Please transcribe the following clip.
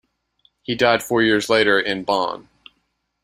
He died four years later in Bonn.